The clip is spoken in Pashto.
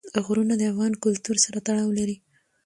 غرونه د افغان کلتور سره تړاو لري.